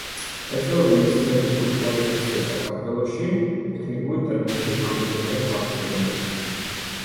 ეწეოდა მეცნიერების პოპულარიზაციას საქართველოში, ტექნიკური ტერმინებით ამდიდრებდა ქართულ ენას.